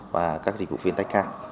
và các dịch vụ fintech khác